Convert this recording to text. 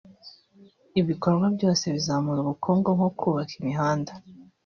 Ibikorwa byose bizamura ubukungu nko kubaka imihanda